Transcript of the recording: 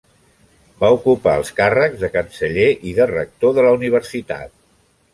Va ocupar els càrrecs de Canceller i de Rector de la Universitat.